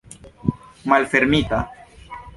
malfermita